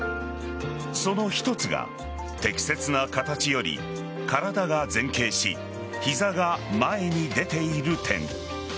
その一つが適切な形より体が前傾し膝が前に出ている点。